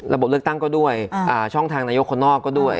บเลือกตั้งก็ด้วยช่องทางนายกคนนอกก็ด้วย